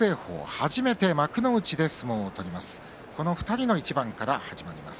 初めて幕内で相撲を取ります。